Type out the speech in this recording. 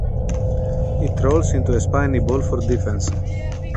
It rolls into a spiny ball for defense.